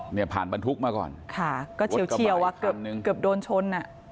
เนี่ยผ่านบรรทุกมาก่อนรถกระบายคันหนึ่งค่ะก็เฉียวว่าเกือบโดนชน